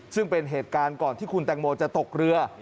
ซึ่งเป็นเหตุการณ์ก่อนที่คุณแตงโมจะตกเรือ